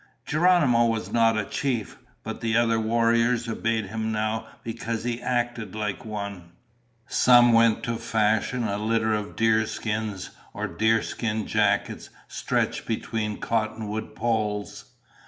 Geronimo was not a chief, but the other warriors obeyed him now because he acted like one. Some went to fashion a litter of deer skins or deer skin jackets stretched between cottonwood poles.